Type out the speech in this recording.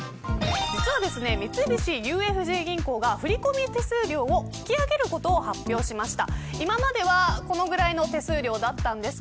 実は、三菱ＵＦＪ銀行が振込手数料を引き上げることを発表しました。